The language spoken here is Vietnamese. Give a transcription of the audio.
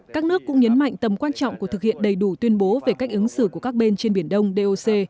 các nước cũng nhấn mạnh tầm quan trọng của thực hiện đầy đủ tuyên bố về cách ứng xử của các bên trên biển đông doc